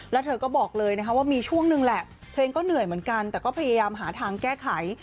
แล้วเธอก็บอกเลยนะคะว่ามีช่วงนึงแหละเธอก็เหนื่อยเหมือนกันแต่ก็พยายามหาทางแก้ไข